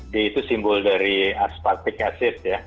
d itu simbol dari aspartik